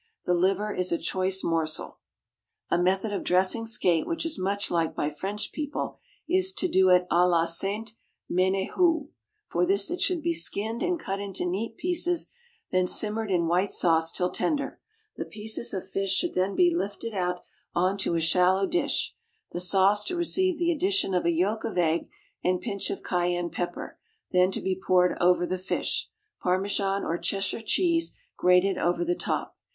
The liver is a choice morsel. A method of dressing skate which is much liked by French people, is to do it à la Sainte Ménehould. For this it should be skinned and cut into neat pieces, then simmered in white sauce till tender; the pieces of fish should then be lifted out on to a shallow dish, the sauce to receive the addition of a yolk of egg and pinch of cayenne pepper, then to be poured over the fish, Parmesan or Cheshire cheese grated over the top.